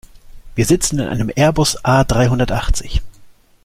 Wir sitzen in einem Airbus A-dreihundertachtzig.